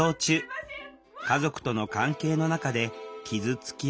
家族との関係の中で傷つきを経験した。